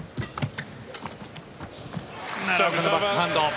奈良岡のバックハンド。